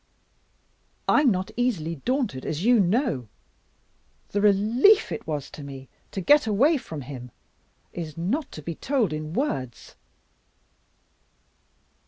I'm not easily daunted, as you know the relief it was to me to get away from him is not to be told in words.